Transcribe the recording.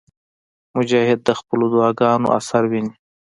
مجاهد د خپلو دعاګانو اثر ویني.